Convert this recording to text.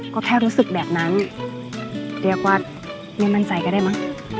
ก็แค่รู้สึกแบบนั้นเรียกว่าไม่มั่นใจก็ได้มั้ง